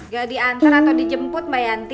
gak diantar atau dijemput mbak yanti